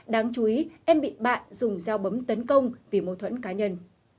đáng chú ý em bị bạn dùng dao bấm tấn công vì mâu thuẫn cá nhân